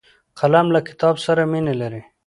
قلم له کتاب سره مینه لري